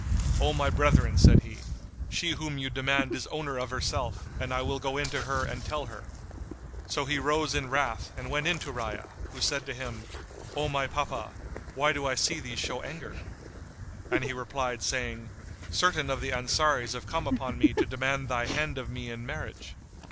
"O my brethren," said he, "she whom you demand is owner of herself, and I will go in to her and tell her." So he rose in wrath[FN#88] and went in to Rayya, who said to him, "O my papa, why do I see thee show anger?" And he replied, saying, "Certain of the Ansaris have come upon me to demand thy hand of me in marriage."